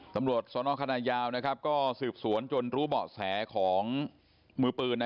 ตำรวจสนคณะยาวก็สืบสวนจนรู้เบาะแสของมือปืน